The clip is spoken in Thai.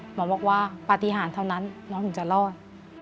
หมอบอกว่าปฏิหารเท่านั้นน้องถึงจะรอด